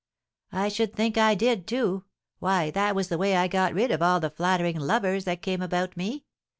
"I should think I did, too! Why, that was the way I got rid of all the flattering lovers that came about me.